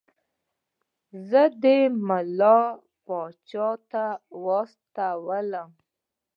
ده زه ملا پاچا ته واستولم.